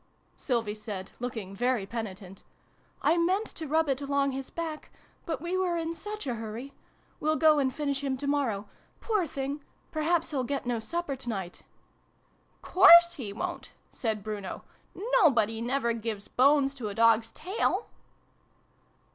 Sylvie said, looking very penitent. " I meant to rub it along his back, but we were in such a hurry. We'll go and finish him tomorrow. Poor thing ! Perhaps he'll get no supper tonight !"" Course he won't !" said Bruno. " Nobody never gives bones to a dog's tail